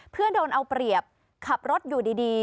เพื่อโดนเอาเปรียบขับรถอยู่ดี